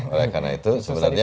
oleh karena itu sebenarnya